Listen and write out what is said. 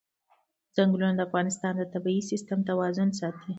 ځنګلونه د افغانستان د طبعي سیسټم توازن ساتي.